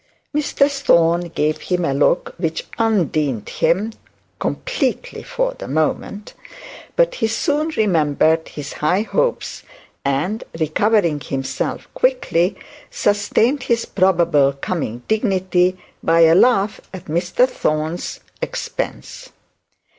Mr Thorne gave him a look which undressed him completely for the moment; but he soon remembered his high hopes, and recovering himself quickly, sustained his probable coming dignity by a laugh at Mr Thorne's expense.